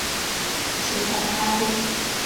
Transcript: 指导单位